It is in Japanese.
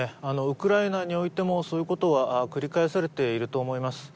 ウクライナにおいてもそういうことは繰り返されていると思います